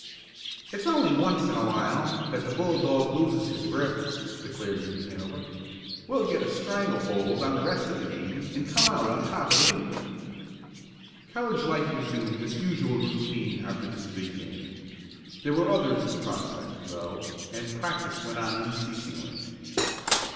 "It's only once in a while that the bulldog loses his grip," declared Ricky Hanover. "We'll get a strangle hold on the rest of the games and come out on top of the heap." College life resumed its usual routine after this big game. There were others in prospect, though, and practice went on unceasingly.